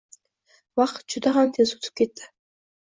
Vaqt juda ham tez oʻtib ketdi.